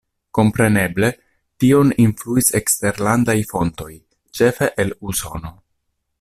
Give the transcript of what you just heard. Kompreneble tion influis eksterlandaj fontoj, ĉefe el Usono.